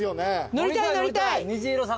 乗りたい乗りたい！